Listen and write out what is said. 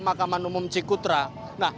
nah kalau kita mereview terkait dengan